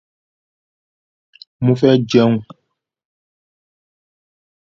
The bone color can range from black to brown or an oxidized white color.